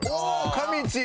かみちぃ